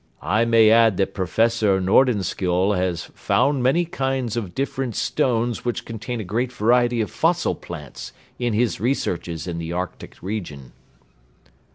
I may add that Prof. Nordenskiol has found many kinds of different stones which contain a great variety of fossil plants in his researches in the Arctic region."